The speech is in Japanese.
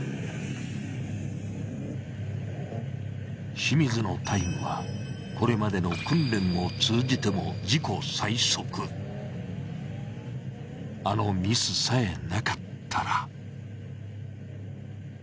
清水のタイムはこれまでの訓練を通じてもあのミスさえなかったら。